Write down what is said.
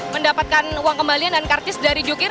mendapatkan uang kembalian dan kartis dari jokir